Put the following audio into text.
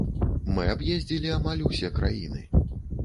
Мы аб'ездзілі амаль усе краіны.